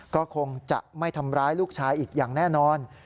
ก็คงจะไม่ทำร้ายลูกชายอีกอย่างแน่นอน